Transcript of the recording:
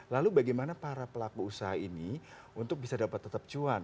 lalu bagaimana para pelaku usaha ini untuk bisa dapat tetap cuan